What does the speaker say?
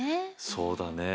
そうだね。